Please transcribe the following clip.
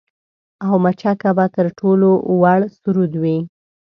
او مچکه به تر ټولو وُړ سرود وي